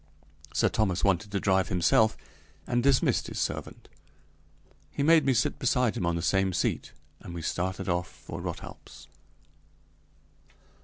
Sir Thomas wanted to drive himself and dismissed his servant. He made me sit beside him on the same seat and we started off for Rothalps.